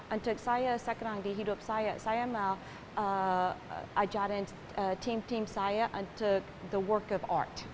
untuk saya sekarang di hidup saya saya mau ajarkan tim tim saya untuk the work of art